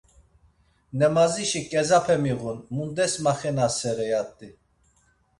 Nemazişi ǩezape miğun, mundes maxenasere yat̆i?